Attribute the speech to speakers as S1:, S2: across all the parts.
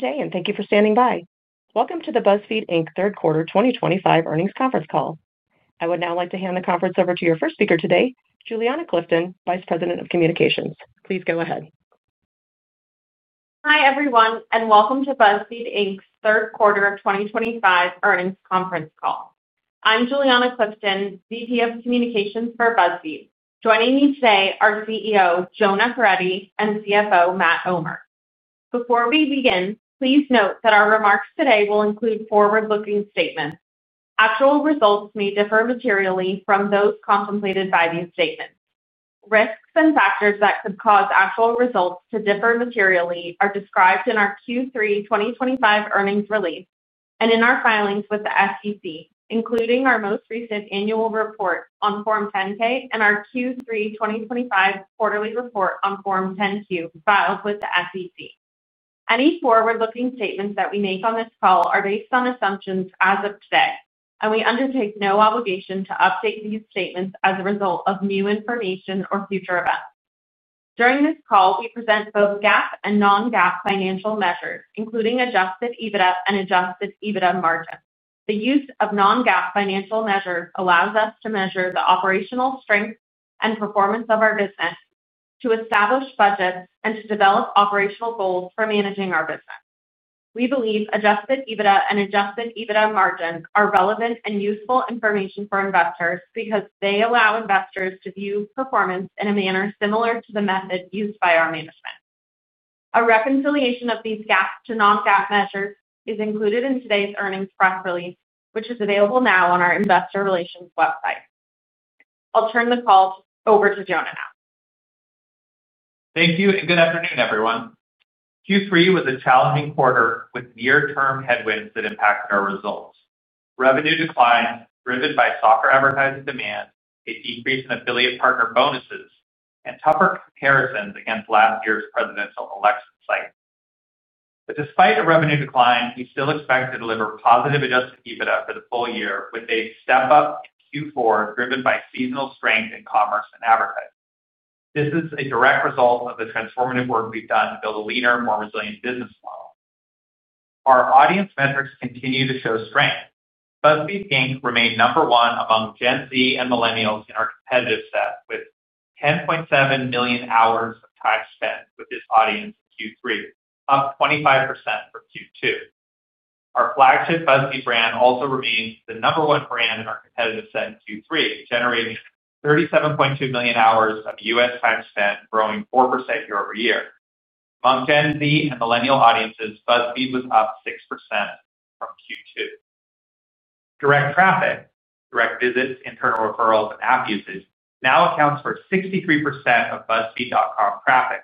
S1: Good day, and thank you for standing by. Welcome to the BuzzFeed Third Quarter 2025 Earnings Conference Call. I would now like to hand the conference over to your first speaker today, Juliana Clifton, Vice President of Communications. Please go ahead.
S2: Hi, everyone, and welcome to BuzzFeed's Third Quarter 2025 Earnings Conference Call. I'm Juliana Clifton, VP of Communications for BuzzFeed. Joining me today are CEO Jonah Peretti and CFO Matt Omer. Before we begin, please note that our remarks today will include forward-looking statements. Actual results may differ materially from those contemplated by these statements. Risks and factors that could cause actual results to differ materially are described in our Q3 2025 earnings release and in our filings with the SEC, including our most recent annual report on Form 10-K and our Q3 2025 quarterly report on Form 10-Q filed with the SEC. Any forward-looking statements that we make on this call are based on assumptions as of today, and we undertake no obligation to update these statements as a result of new information or future events. During this call, we present both GAAP and non-GAAP financial measures, including Adjusted EBITDA and Adjusted EBITDA margin. The use of non-GAAP financial measures allows us to measure the operational strength and performance of our business, to establish budgets, and to develop operational goals for managing our business. We believe Adjusted EBITDA and Adjusted EBITDA margin are relevant and useful information for investors because they allow investors to view performance in a manner similar to the method used by our management. A reconciliation of these GAAP to non-GAAP measures is included in today's earnings press release, which is available now on our investor relations website. I'll turn the call over to Jonah now. Thank you, and good afternoon, everyone. Q3 was a challenging quarter with near-term headwinds that impacted our results. Revenue declined driven by softer advertising demand, a decrease in affiliate partner bonuses, and tougher comparisons against last year's presidential election cycle. Despite a revenue decline, we still expect to deliver positive Adjusted EBITDA for the full year with a step-up in Q4 driven by seasonal strength in commerce and advertising. This is a direct result of the transformative work we've done to build a leaner, more resilient business model. Our audience metrics continue to show strength. BuzzFeed remained number one among Gen Z and millennials in our competitive set, with 10.7 million hours of time spent with this audience in Q3, up 25% from Q2. Our flagship BuzzFeed brand also remains the number one brand in our competitive set in Q3, generating 37.2 million hours of U.S. Time spent, growing 4% year over year. Among Gen Z and millennial audiences, BuzzFeed was up 6% from Q2. Direct traffic, direct visits, internal referrals, and app usage now accounts for 63% of BuzzFeed.com traffic,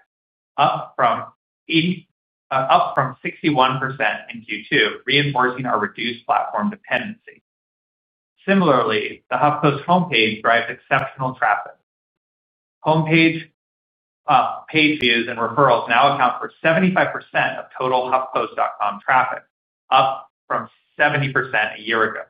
S2: up from 61% in Q2, reinforcing our reduced platform dependency. Similarly, the HuffPost homepage drives exceptional traffic. Homepage views and referrals now account for 75% of total huffpost.com traffic, up from 70% a year ago.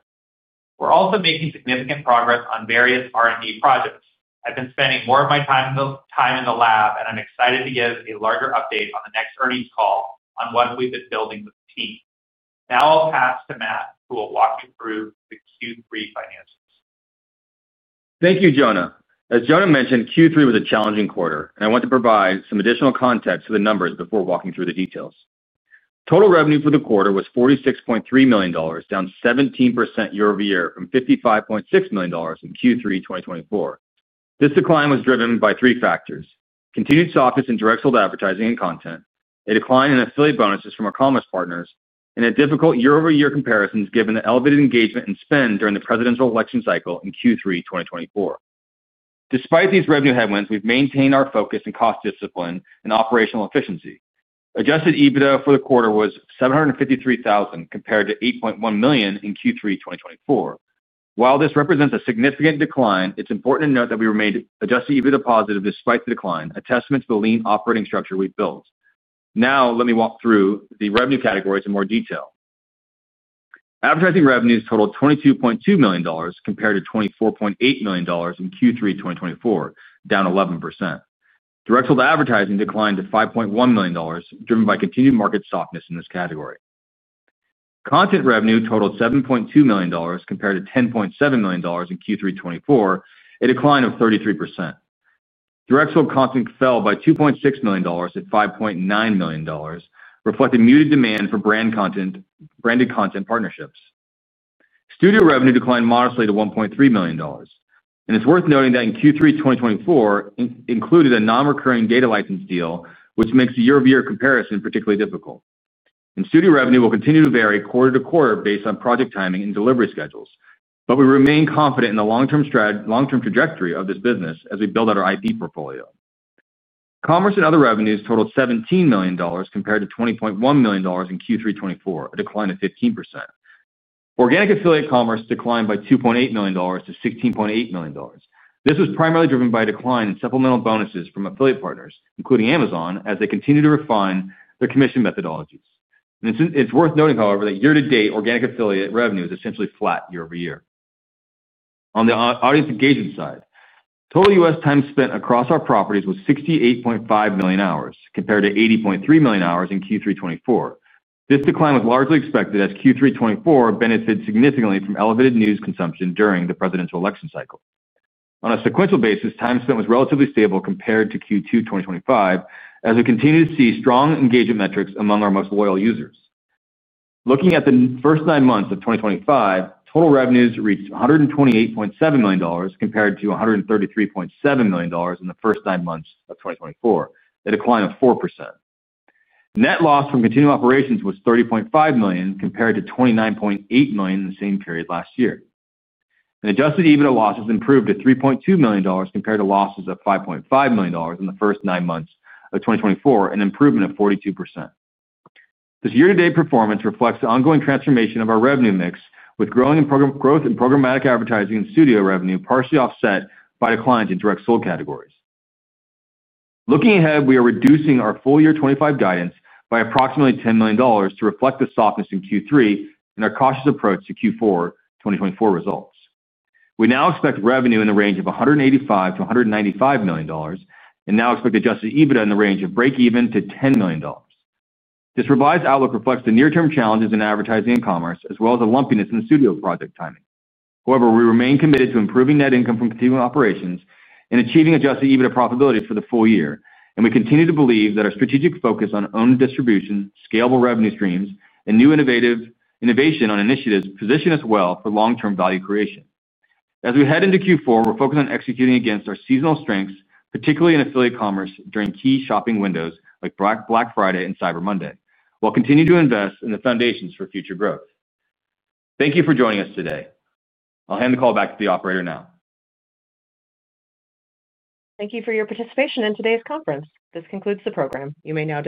S2: We're also making significant progress on various R&D projects. I've been spending more of my time in the lab, and I'm excited to give a larger update on the next earnings call on what we've been building with the team. Now I'll pass to Matt, who will walk you through the Q3 financials.
S3: Thank you, Jonah. As Jonah mentioned, Q3 was a challenging quarter, and I want to provide some additional context to the numbers before walking through the details. Total revenue for the quarter was $46.3 million, down 17% year over year from $55.6 million in Q3 2023. This decline was driven by three factors: continued softness in direct-sold advertising and content, a decline in affiliate bonuses from our commerce partners, and a difficult year-over-year comparison given the elevated engagement and spend during the presidential election cycle in Q3 2020. Despite these revenue headwinds, we've maintained our focus on cost discipline and operational efficiency. Adjusted EBITDA for the quarter was $753,000 compared to $8.1 million in Q3 2023. While this represents a significant decline, it's important to note that we remained Adjusted EBITDA positive despite the decline, a testament to the lean operating structure we've built. Now let me walk through the revenue categories in more detail. Advertising revenues totaled $22.2 million compared to $24.8 million in Q3 2024, down 11%. Direct-sold advertising declined to $5.1 million, driven by continued market softness in this category. Content revenue totaled $7.2 million compared to $10.7 million in Q3 2024, a decline of 33%. Direct-sold content fell by $2.6 million-$5.9 million, reflecting muted demand for branded content partnerships. Studio revenue declined modestly to $1.3 million. It is worth noting that in Q3 2024, it included a non-recurring data license deal, which makes the year-over-year comparison particularly difficult. Studio revenue will continue to vary quarter to quarter based on project timing and delivery schedules, but we remain confident in the long-term trajectory of this business as we build out our IP portfolio. Commerce and other revenues totaled $17 million compared to $20.1 million in Q3 2024, a decline of 15%. Organic affiliate commerce declined by $2.8 million-$16.8 million. This was primarily driven by a decline in supplemental bonuses from affiliate partners, including Amazon, as they continue to refine their commission methodologies. It's worth noting, however, that year-to-date organic affiliate revenue is essentially flat year over year. On the audience engagement side, total U.S. time spent across our properties was 68.5 million hours compared to 80.3 million hours in Q3 2024. This decline was largely expected as Q3 2024 benefited significantly from elevated news consumption during the presidential election cycle. On a sequential basis, time spent was relatively stable compared to Q2 2025, as we continue to see strong engagement metrics among our most loyal users. Looking at the first nine months of 2025, total revenues reached $128.7 million compared to $133.7 million in the first nine months of 2024, a decline of 4%. Net loss from continuing operations was $30.5 million compared to $29.8 million in the same period last year. Adjusted EBITDA losses improved to $3.2 million compared to losses of $5.5 million in the first nine months of 2024, an improvement of 42%. This year-to-date performance reflects the ongoing transformation of our revenue mix, with growth in programmatic advertising and studio revenue partially offset by declines in direct-sold categories. Looking ahead, we are reducing our full-year 2025 guidance by approximately $10 million to reflect the softness in Q3 and our cautious approach to Q4 2024 results. We now expect revenue in the range of $185 million-$195 million and now expect Adjusted EBITDA in the range of break-even to $10 million. This revised outlook reflects the near-term challenges in advertising and commerce, as well as the lumpiness in studio project timing. However, we remain committed to improving net income from continuing operations and achieving Adjusted EBITDA profitability for the full year. We continue to believe that our strategic focus on owned distribution, scalable revenue streams, and new innovation on initiatives position us well for long-term value creation. As we head into Q4, we're focused on executing against our seasonal strengths, particularly in affiliate commerce during key shopping windows like Black Friday and Cyber Monday, while continuing to invest in the foundations for future growth. Thank you for joining us today. I'll hand the call back to the operator now.
S1: Thank you for your participation in today's conference. This concludes the program. You may now.